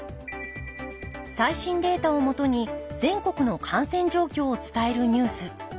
最新データをもとに全国の感染状況を伝えるニュース。